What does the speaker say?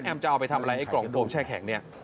จะเอาไปทำอะไรไอ้กล่องโดมแช่แข็งเนี่ย